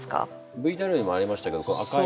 ＶＴＲにもありましたけどこの赤い。